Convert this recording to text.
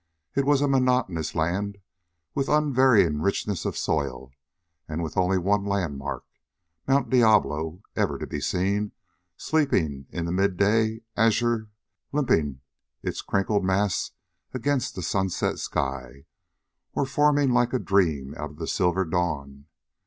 It was a monotonous land, with an unvarying richness of soil and with only one landmark Mt. Diablo, ever to be seen, sleeping in the midday azure, limping its crinkled mass against the sunset sky, or forming like a dream out of the silver dawn.